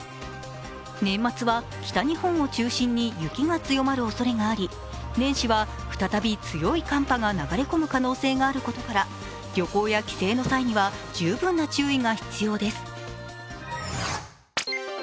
年末は北日本を中心に雪が強まるおそれがあり年始は再び強い寒気が流れ込む可能性があることから旅行や帰省の際には十分な注意が必要です。